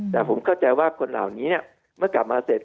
แต่ผมเข้าใจว่าคนเหล่านี้เนี่ยเมื่อกลับมาเสร็จ